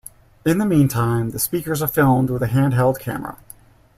In the meantime the speakers are filmed with a hand-held camera.